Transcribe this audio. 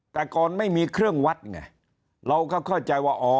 แต่ก่อนไม่มีเครื่องวัดไงเราก็เข้าใจว่าอ๋อ